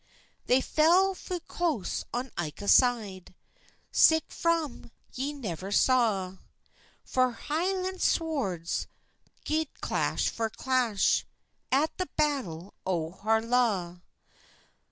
They fell fu close on ilka side, Sic fun ye never saw; For Hielan swords gied clash for clash, At the battle o Harlaw.